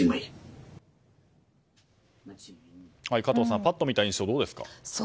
加藤さん、パッと見た印象どうですか？